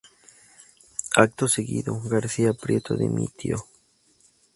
Acto seguido, García Prieto dimitió.